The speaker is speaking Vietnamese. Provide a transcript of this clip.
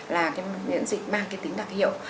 là cái miễn dịch mang cái tính đặc hiệu